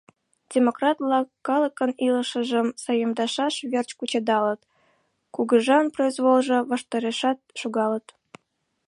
Демократ-влак калыкын илышыжым саемдышаш верч кучедалыт, кугыжан произволжо ваштарешат шогалыт.